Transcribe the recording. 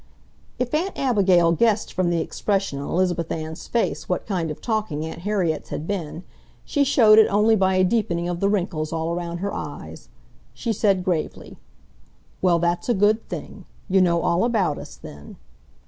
If Aunt Abigail guessed from the expression on Elizabeth Ann's face what kind of talking Aunt Harriet's had been, she showed it only by a deepening of the wrinkles all around her eyes. She said, gravely: "Well, that's a good thing. You know all about us then."